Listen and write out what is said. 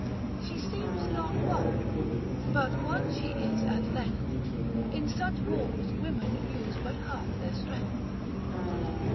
She seems not won, but won she is at length, In such wars women use but half their strength.